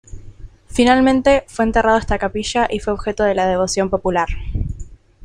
Finalmente, fue enterrado esta capilla, y fue objeto de la devoción popular.